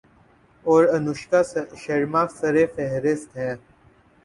اور انوشکا شرما سرِ فہرست ہیں